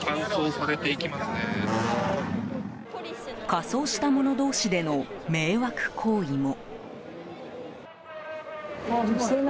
仮装した者同士での迷惑行為も。